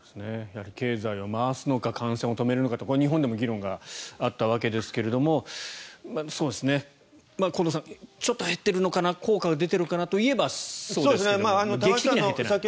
経済を回すのか感染を止めるのかこれは日本でも議論があったわけですが近藤さんちょっと減っているのかな効果が出てるのかなといえばそうですが劇的には減っていない。